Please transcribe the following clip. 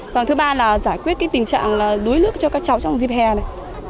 và thứ ba là giải quyết cái tình trạng đuối nước cho các cháu trong dịp hè này